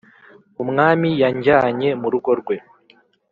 Umwami yanjyanye mu rugo rwe